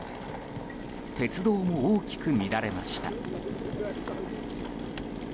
鉄道も大きく乱れました。